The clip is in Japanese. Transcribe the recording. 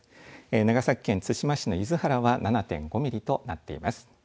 長崎県対馬市の厳原は７．５ミリとなっています。